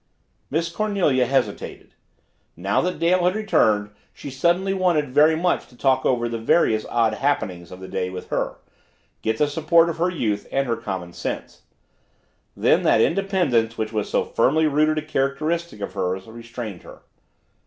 Miss Cornelia hesitated. Now that Dale had returned she suddenly wanted very much to talk over the various odd happenings of the day with her get the support of her youth and her common sense. Then that independence which was so firmly rooted a characteristic of hers restrained her.